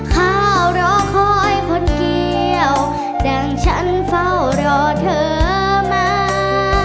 ข้าวรอคอยคนเกี่ยวดังฉันเฝ้ารอเธอมา